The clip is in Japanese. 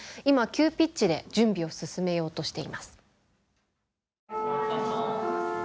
今急ピッチで準備を進めようとしています。